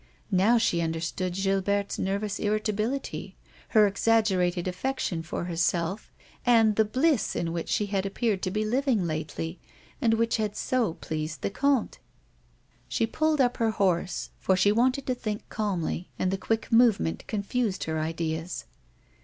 Now she understood Gilberte's nervous irritability, her exaggerated affection for herself and the bliss in which she had ap peared to be living lately, and which had so pleased the comte. 146 A WOMAN'S LIFE. She pulled up her horse for she wanted to think calmly, and the quick movement confused her ideas.